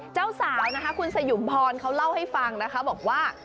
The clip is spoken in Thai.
เจ้าสาวนะคะคุณสยุมพรเขาเล่าให้ฟังนะคะบอกว่า